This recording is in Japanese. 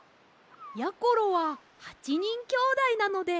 やころは８にんきょうだいなので８